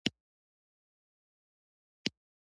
دومره پوه شومه سعوده لېونیه!